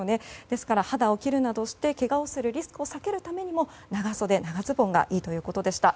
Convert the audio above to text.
ですから肌を切るなどしてけがをするリスクを避けるためにも長袖、長ズボンがいいということでした。